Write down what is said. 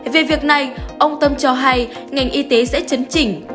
về việc này ông tâm cho hay ngành y tế sẽ chấn chỉnh